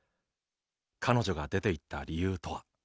彼女が出て行った理由とは？」。